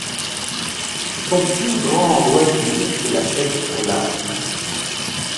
Son plus grand loisir est la pêche au large.